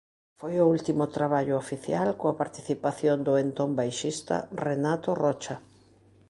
Foi o último traballo oficial coa participación do entón baixista Renato Rocha.